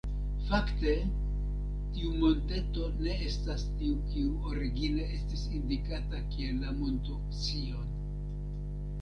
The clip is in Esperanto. Fakte tiu monteto ne estas tiu kiu origine estis indikata kiel la Monto Sion.